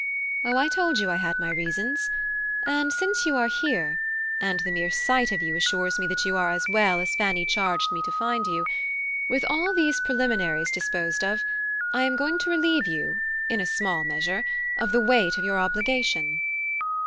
"Oh, I told you I had my reasons. And since you are here and the mere sight of you assures me that you are as well as Fanny charged me to find you with all these preliminaries disposed of, I am going to relieve you, in a small measure, of the weight of your obligation."